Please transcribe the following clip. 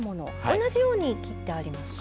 同じように切ってありますか。